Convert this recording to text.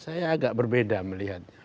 saya agak berbeda melihatnya